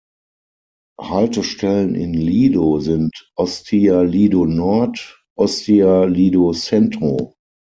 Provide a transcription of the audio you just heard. Haltestellen in Lido sind "Ostia Lido Nord", "Ostia Lido Centro".